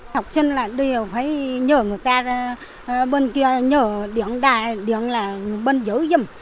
học sinh là đều phải nhờ người ta bên kia nhờ điện đài điện là bên giữ giùm